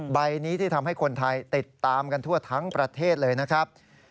ใบนี้ที่ทำให้คนไทยติดตามกันทั่วทั้งประเทศเลยนะครับ